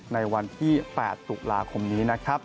ในวันที่๘ตุลาคมนี้นะครับ